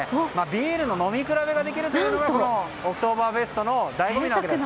ビールの飲み比べができるというのもオクトーバーフェストの醍醐味なんです。